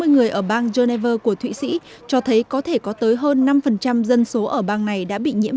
sáu mươi người ở bang geneva của thụy sĩ cho thấy có thể có tới hơn năm dân số ở bang này đã bị nhiễm